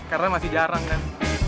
karena masih jarang kan